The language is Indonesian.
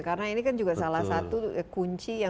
karena ini kan juga salah satu kunci